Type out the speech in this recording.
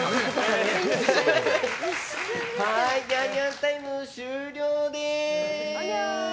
ニャンニャンタイム終了です！